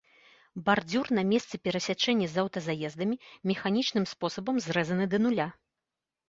Бардзюр на месцы перасячэння з аўтазаездамі механічным спосабам зрэзаны да нуля.